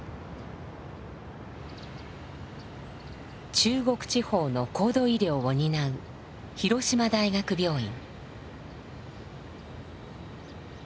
中国地方の高度医療を担う広島大学病院。